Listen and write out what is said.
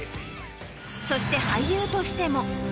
そして俳優としても。